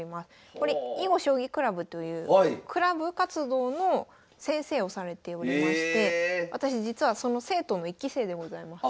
これ囲碁将棋クラブというクラブ活動の先生をされておりまして私実はその生徒の１期生でございます。